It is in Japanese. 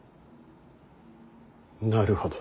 なるほど。